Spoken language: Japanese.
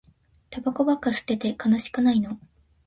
タバコばっか吸ってて悲しくないの